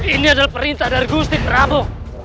ini adalah perintah dargusti prabu